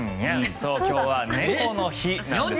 そう、今日は猫の日なんです。